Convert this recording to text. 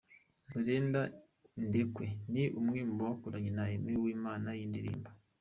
Brenda Indekwe ni umwe mu bakoranye na Aime Uwimana iyi ndirimbo.